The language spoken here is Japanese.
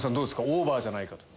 オーバーじゃないかと。